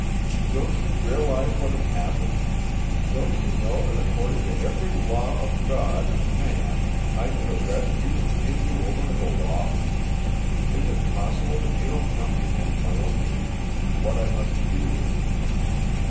"Don't you realize what has happened? Don't you know that according to every law of God and man I should arrest you and give you over to the Law? Is it possible that you don't comprehend my own duty? What I must do?"